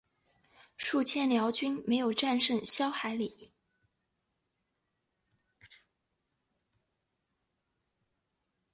数千辽军没有战胜萧海里。